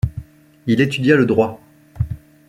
Il étudia le droit.